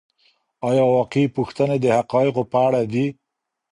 آيا واقعي پوښتنې د حقایقو په اړه دي؟